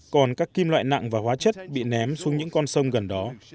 còn các kim loại nặng và hóa chất bị ném xuống những con sông gần đó